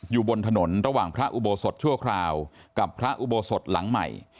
อยู่บนถนนระหว่างพระอุโบสถชั่วคราวกับพระอุโบสถหลังใหม่